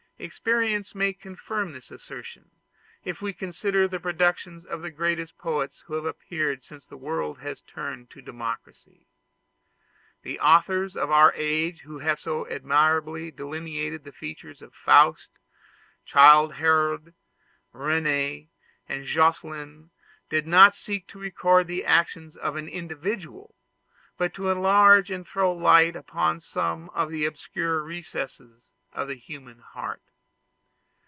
Experience may confirm this assertion, if we consider the productions of the greatest poets who have appeared since the world has been turned to democracy. The authors of our age who have so admirably delineated the features of Faust, Childe Harold, Rene, and Jocelyn, did not seek to record the actions of an individual, but to enlarge and to throw light on some of the obscurer recesses of the human heart.